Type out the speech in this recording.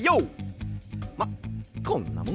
まっこんなもんかな。